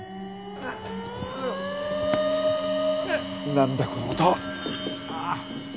何だこの音は！